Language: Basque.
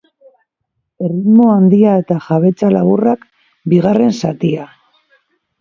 Erritmo handia eta jabetza laburrak bigarren zatian.